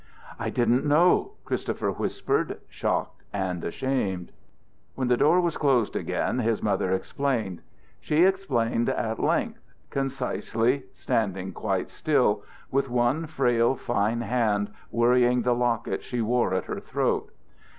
"I didn't know!" Christopher whispered, shocked, and shamed. When the door was closed again his mother explained. She explained at length, concisely, standing quite still, with one frail, fine hand worrying the locket she wore at her throat.